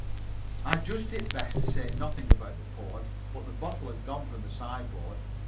_"] I judged it best to say nothing about the port. But the bottle had gone from the sideboard.